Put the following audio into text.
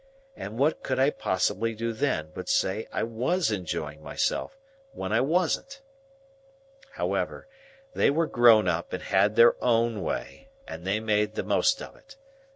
And what could I possibly do then, but say I was enjoying myself,—when I wasn't! However, they were grown up and had their own way, and they made the most of it.